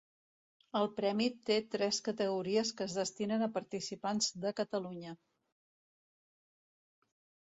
El Premi té tres categories que es destinen a participants de Catalunya.